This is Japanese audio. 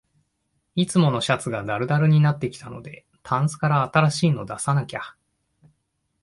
いつものシャツがだるだるになってきたので、タンスから新しいの出さなきゃ